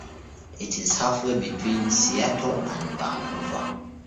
It is halfway between Seattle and Vancouver.